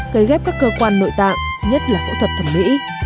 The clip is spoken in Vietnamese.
gây ghép các cơ quan nội tạng nhất là phẫu thuật thẩm mỹ